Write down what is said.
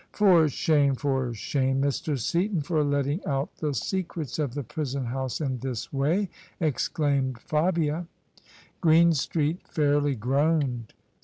" For shame, for shame, Mr. Seaton, for letting out the secrets of the prison house in this way !" exclaimed Fabia. Greenstreet fairly groaned.